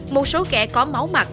một số kẻ có máu mặt